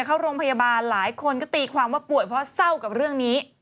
เข้าโรงพยาบาลหลายคนก็ตีความว่าป่วยเพราะเศร้ากับเรื่องนี้